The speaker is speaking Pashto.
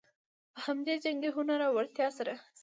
په همدې جنګي هنر او وړتیا سره.